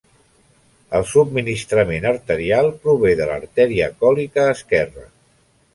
El subministrament arterial prové de l'artèria còlica esquerra.